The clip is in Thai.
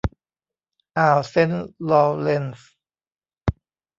อ่าวเซนต์ลอว์เรนซ์